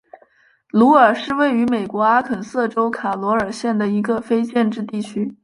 鲁尔是位于美国阿肯色州卡罗尔县的一个非建制地区。